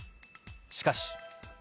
しかし。